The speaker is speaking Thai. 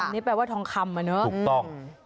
นี่แปลว่าทองคำน่ะเนอะอืมอืมอืมอืมอืมอืมอืมอืมอืมอืมอืมอืม